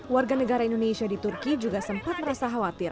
warga negara indonesia di turki juga sempat merasa khawatir